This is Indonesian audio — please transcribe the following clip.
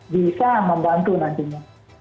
bisa membantu nantinya